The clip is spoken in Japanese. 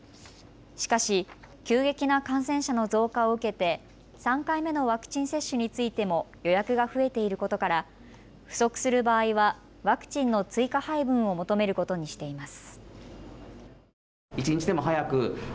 しかし急激な感染者の増加を受けて３回目のワクチン接種についても予約が増えていることから不足する場合はワクチンの追加配分を求めることにしています。